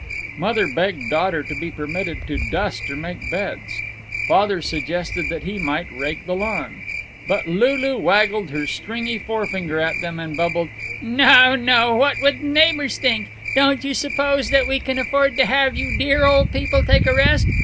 Mother begged daughter to be permitted to dust or make beds; Father suggested that he might rake the lawn. But Lulu waggled her stringy forefinger at them and bubbled, "No, no! What would the neighbors think? Don't you suppose that we can afford to have you dear old people take a rest?